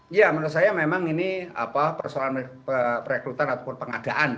ya menurut saya memang ini persoalan perekrutan ataupun pengadaan